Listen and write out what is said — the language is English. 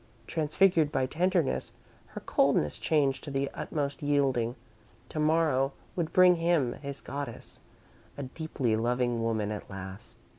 Transfigured by tenderness, her coldness changed to the utmost yielding, to morrow would bring him his goddess, a deeply loving woman at last.